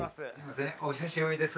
お久しぶりです